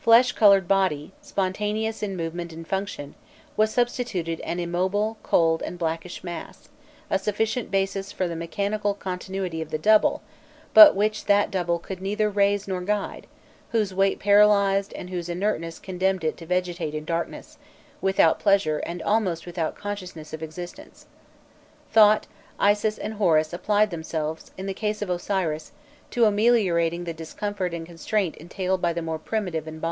For the breathing, warm, fresh coloured body, spontaneous in movement and function, was substituted an immobile, cold and blackish mass, a sufficient basis for the mechanical continuity of the double, but which that double could neither raise nor guide; whose weight paralysed and whose inertness condemned it to vegetate in darkness, without pleasure and almost without consciousness of existence. Thot, Isis, and Horus applied themselves in the case of Osiris to ameliorating the discomfort and constraint entailed by the more primitive embalmment.